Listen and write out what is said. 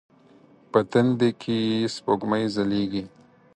په تندې کې یې سپوږمۍ ځلیږې